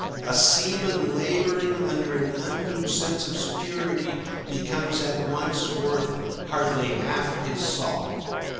A seaman labouring under an undue sense of security becomes at once worth hardly half his salt.